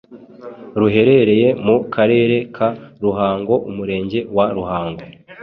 Ruherereye mu karere ka Ruhango umurenge wa Ruhango